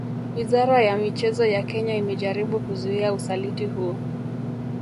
Wizara ya michezo ya Kenya imejaribu kuzuia usaliti huu